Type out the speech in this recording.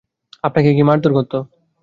আপনাকে কি মারধর করত?